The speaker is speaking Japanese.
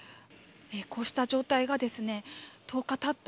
こうした状態が１０日たった